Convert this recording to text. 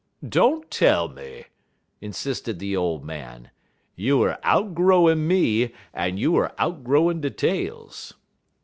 "Don't tell me!" insisted the old man, "you er outgrowin' me, en you er outgrowin' de tales.